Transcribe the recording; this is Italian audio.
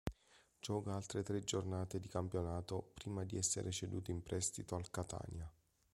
Gioca altre tre giornate di campionato prima di essere ceduto in prestito al Catania.